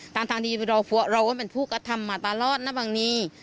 ทางดีเราก็เป็นผู้กระทำมาตลอดนะบางนี้